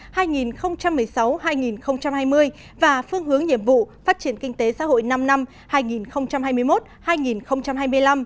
phát triển kinh tế xã hội năm năm hai nghìn một mươi sáu hai nghìn hai mươi và phương hướng nhiệm vụ phát triển kinh tế xã hội năm năm hai nghìn hai mươi một hai nghìn hai mươi năm